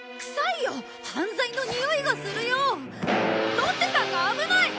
ロッテさんが危ない！